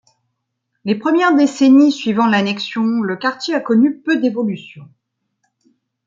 Les premières décennies suivant l'annexion le quartier a connu peu d'évolutions.